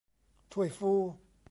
ถ้วยฟู